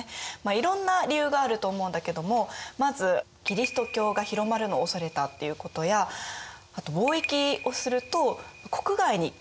いろんな理由があると思うんだけどもまずキリスト教が広まるのを恐れたっていうことやあと貿易をすると国外に金銀も流出してしまうよね。